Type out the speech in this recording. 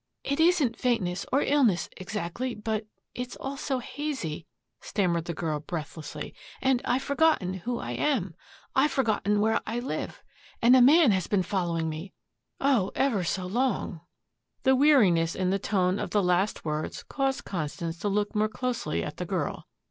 "It isn't faintness or illness exactly but it's all so hazy," stammered the girl breathlessly. "And I've forgotten who I am. I've forgotten where I live and a man has been following me oh, ever so long." The weariness in the tone of the last words caused Constance to look more closely at the girl.